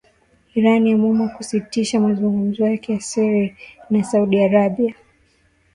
Iran yaamua kusitisha mazungumzo yake ya siri na Saudi Arabia.